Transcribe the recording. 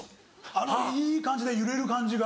あのいい感じで揺れる感じが。